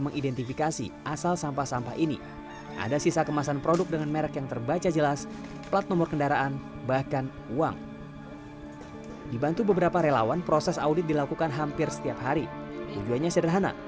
kertas bekas ini tidak hanya memiliki kertas bekas tetapi juga memiliki kertas yang berbeda